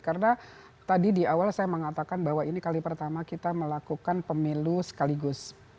karena tadi di awal saya mengatakan bahwa ini kali pertama kita melakukan pemilu sekaligus